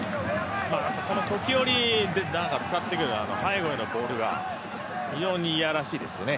時折使ってくる背後へのボールが非常にいやらしいですよね。